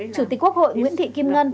chủ tịch quốc hội nguyễn thị kim ngân